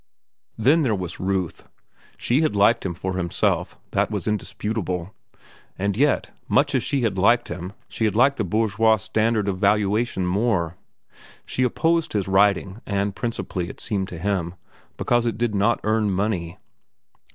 Then there was Ruth. She had liked him for himself, that was indisputable. And yet, much as she had liked him she had liked the bourgeois standard of valuation more. She had opposed his writing, and principally, it seemed to him, because it did not earn money.